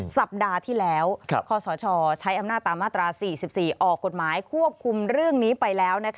สัปดาห์ที่แล้วคศใช้อำนาจตามมาตรา๔๔ออกกฎหมายควบคุมเรื่องนี้ไปแล้ว